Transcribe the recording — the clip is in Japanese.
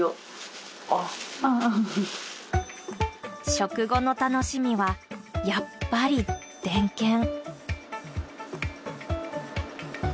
食後の楽しみはやっぱりデンケン。